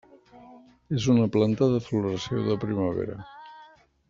És una planta de floració de primavera.